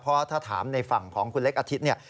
เพราะถ้าถามในฝั่งของคุณเล็กอาทิตย์เนี่ย